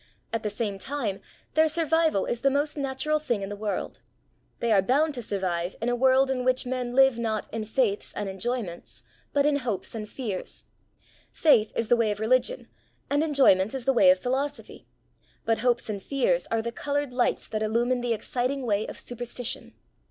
At the same time, their survival is the most natural thing in the world. They are bound to survive in a world in which men live not in faiths and enjoyments, but in hopes and fears. Faith is the way of religion, and enjoyment is the way of philosophy; but hopes and fears are the coloured lights that illuminate the exciting way of superstition.